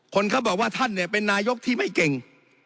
คนเขาบอกว่าท่านเนี่ยเป็นนายกที่ไม่เก่ง